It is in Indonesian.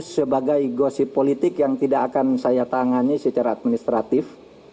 sebagai gosip politik yang tidak akan saya tangani secara administratif